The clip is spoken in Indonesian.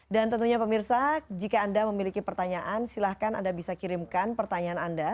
dan tentunya pemirsa jika anda memiliki pertanyaan silahkan anda bisa kirimkan pertanyaan anda